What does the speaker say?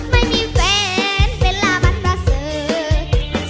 ไม่มีแฟนเวลามันประสุทธิ์